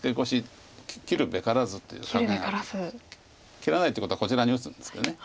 切らないってことはこちらに打つんですけど。